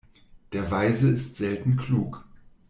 Der Weise ist selten klug.